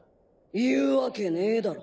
言うわけねえだろ。